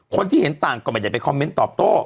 คนที่เห็นต่างก็ไม่ได้ไปคอมเมนต์ตอบโต้